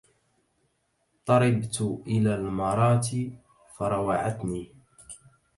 طربت إلى المراة فروعتني